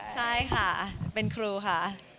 ใช่ค่ะเป็นครูค่ะ